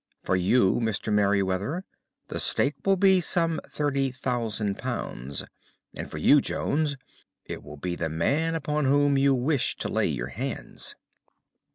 For you, Mr. Merryweather, the stake will be some £ 30,000; and for you, Jones, it will be the man upon whom you wish to lay your hands."